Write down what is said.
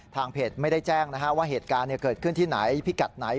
เพจไม่ได้แจ้งว่าเหตุการณ์เกิดขึ้นที่ไหนพิกัดไหน